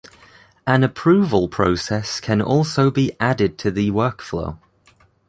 An approval process can also be added to the workflow.